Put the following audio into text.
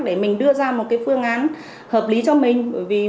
để mình đưa ra một cái phương án hợp lý cho mình